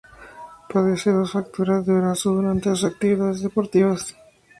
Padece dos fracturas de brazo durante sus actividades deportivas.